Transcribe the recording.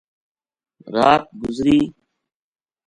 رات گزاری